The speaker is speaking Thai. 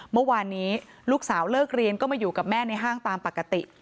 เมื่อวานนี้ลูกสาวเลิกเรียนก็มาอยู่กับแม่ในห้างตามปกติ